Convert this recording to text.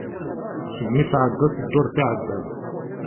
Segmi i d-tɛddaḍ ddurt iɛddan.